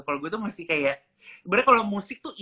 kalau gue tuh masih kayak sebenarnya kalau musik tuh